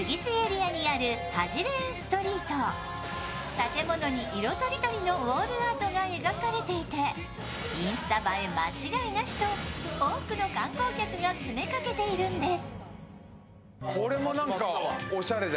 建物に色とりどりのウォールアートが描かれていてインスタ映え間違いなしと、多くの観光客が詰めかけているんです。